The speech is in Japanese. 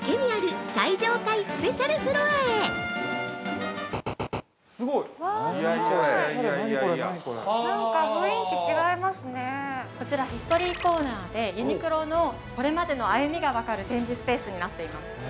◆こちら、ヒストリーコーナーでユニクロのこれまでの歩みが分かる展示スペースになっています。